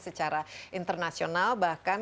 secara internasional bahkan